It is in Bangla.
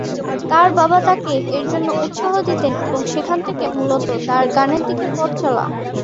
তার বাবা তাকে এর জন্য উৎসাহ দিতেন এবং সেখান থেকে মূলত তার গানের দিকে পথচলা।